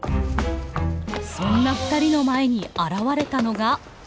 そんなふたりの前に現れたのが。